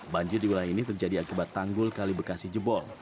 banjir di wilayah ini terjadi akibat tanggul kali bekasi jebol